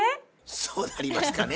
そうなりますかね。